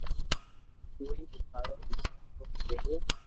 تو اي ھارو مني سوڙي ديئي